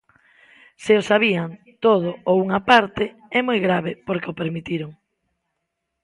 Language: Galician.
Se o sabían todo ou unha parte, é moi grave porque o permitiron.